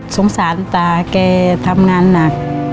สงสารตาแกทำงานหนัก